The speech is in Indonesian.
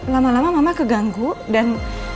lama lama mama keganggu dan